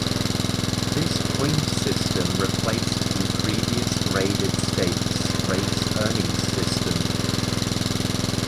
This point system replaced the previous graded stakes race earnings system.